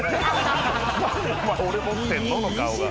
「何お前俺持ってんの？」の顔が。